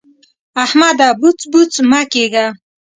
احمده! بوڅ بوڅ مه کېږه.